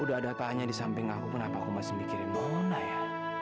udah ada tanya di samping aku kenapa aku masih mikirin bola ya